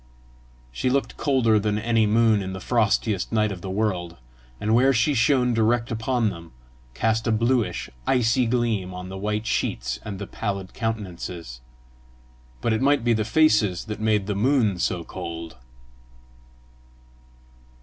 She looked colder than any moon in the frostiest night of the world, and where she shone direct upon them, cast a bluish, icy gleam on the white sheets and the pallid countenances but it might be the faces that made the moon so cold!